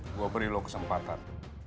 gua beri lu kesempatan